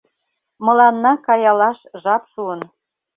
Мыланна каялаш жап шуын.